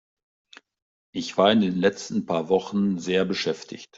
Ich war in den letzten paar Wochen sehr beschäftigt.